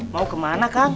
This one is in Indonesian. mau kemana kang